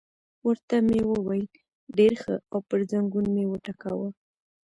ورته مې وویل: ډېر ښه، او پر زنګون مې وټکاوه.